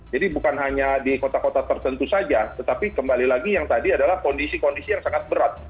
jadi bukan hanya di kota kota tertentu saja tetapi kembali lagi yang tadi adalah kondisi kondisi yang sangat berat